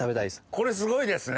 これすごいですね。